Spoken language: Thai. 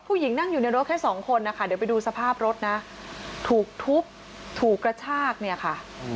นั่งอยู่ในรถแค่สองคนนะคะเดี๋ยวไปดูสภาพรถนะถูกทุบถูกกระชากเนี่ยค่ะ